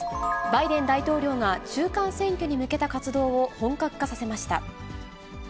バイデン大統領が中間選挙に向けた活動を本格化させました。